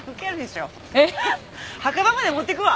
墓場まで持っていくわ。